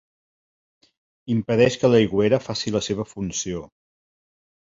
Impedeix que l'aigüera faci la seva funció.